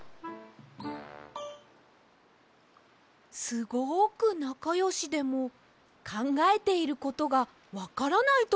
すごくなかよしでもかんがえていることがわからないときもあるようです！